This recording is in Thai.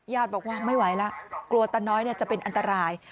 บอกว่าไม่ไหวแล้วกลัวตาน้อยจะเป็นอันตราย